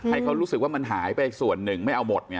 ให้เขารู้สึกว่ามันหายไปส่วนหนึ่งไม่เอาหมดไง